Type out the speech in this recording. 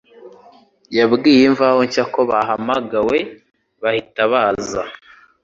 yabwiye Imvaho Nshya ko bahamagawe bahita baza